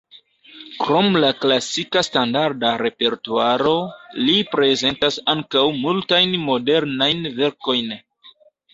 Krom la klasika standarda repertuaro, li prezentas ankaŭ multajn modernajn verkojn.